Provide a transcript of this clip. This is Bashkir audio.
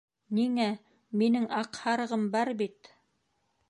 — Ниңә, минең аҡ һарығым бар бит.